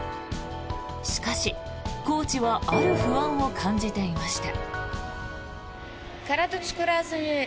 しかし、コーチはある不安を感じていました。